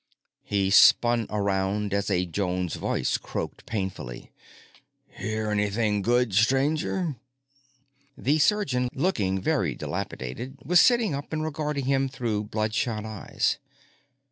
He spun around as a Jones voice croaked painfully: "Hear anything good, stranger?" The surgeon, looking very dilapidated, was sitting up and regarding him through bloodshot eyes.